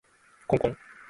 こんこん